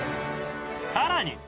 ［さらに］